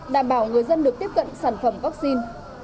đảm bảo người dân được tiếp cận sản phẩm vaccine